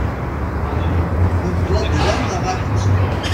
Mebla draɛ neɣ aḥettem.